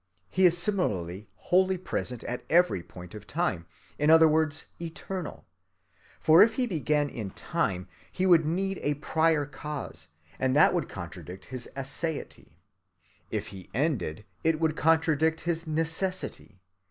He is similarly wholly present at every point of time,—in other words eternal. For if He began in time, He would need a prior cause, and that would contradict his aseity. If He ended, it would contradict his necessity.